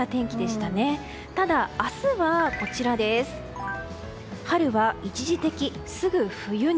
ただ、明日は春は一時的すぐ冬に。